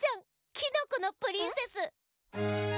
「キノコのプリンセス」！